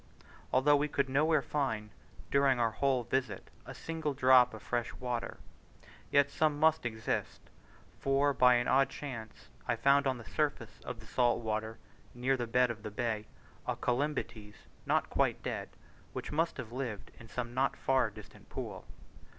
Although we could nowhere find, during our whole visit, a single drop of fresh water, yet some must exist; for by an odd chance I found on the surface of the salt water, near the head of the bay, a Colymbetes not quite dead, which must have lived in some not far distant pool.